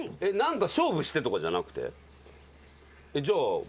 勝負してとかじゃなくて？